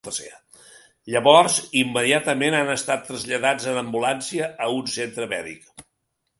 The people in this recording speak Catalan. Llavors, immediatament han estat traslladats en ambulància a un centre mèdic.